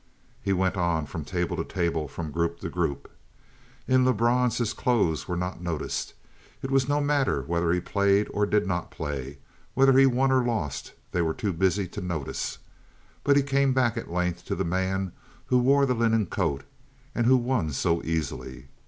He went on, from table to table, from group to group. In Lebrun's his clothes were not noticed. It was no matter whether he played or did not play, whether he won or lost; they were too busy to notice. But he came back, at length, to the man who wore the linen coat and who won so easily.